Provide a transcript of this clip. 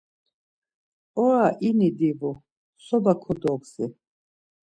Ora ini divu, soba kodogzi.